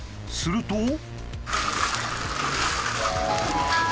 すると。